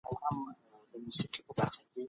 شینداره